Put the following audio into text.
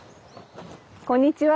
こんにちは。